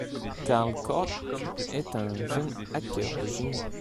Karl Koch est un jeune hacker de génie.